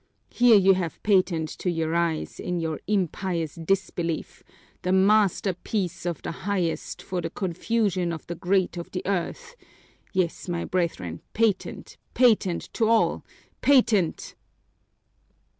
Here you have patent to your eyes, in your impious disbelief, the masterpiece of the Highest for the confusion of the great of the earth, yes, my brethren, patent, patent to all, PATENT!"